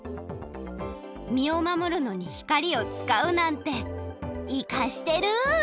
みをまもるのに光をつかうなんていかしてる！